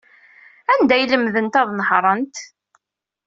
Anda ay lemdent ad nehṛent?